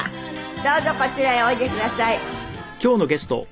どうぞこちらへおいでください。